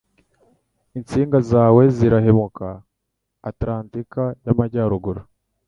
Intsinga zawe zirahumeka Atlantike y'Amajyaruguru.